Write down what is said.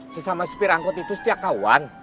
sesama sepir angkut itu setiap kawan